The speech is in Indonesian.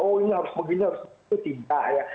oh ini harus begini harus begitu itu tidak ya